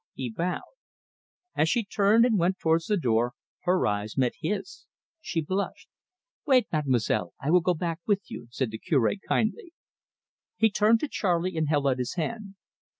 He bowed. As she turned and went towards the door her eyes met his. She blushed. "Wait, Mademoiselle; I will go back with you," said the Cure kindly. He turned to Charley and held out his hand.